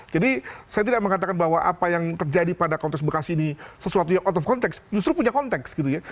jadi saya tidak mengatakan bahwa apa yang terjadi pada konteks bekasi ini sesuatu yang out of context justru punya konteks gitu ya